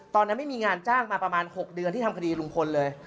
ตอนนั้นไม่มีงานจ้างมาประมาณ๖เดือนที่ทำคดีลุงพลเลย